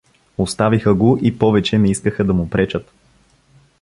Оставиха го и повече не искаха да му пречат.